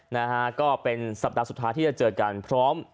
นะฮะก็เป็นสัปดาห์สุดท้ายที่จะเจอกันพร้อม